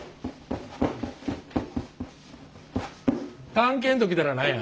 「探検」と来たら何や？